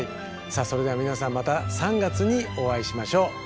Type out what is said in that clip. さあそれでは皆さんまた３月にお会いしましょう。